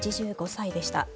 ８５歳でした。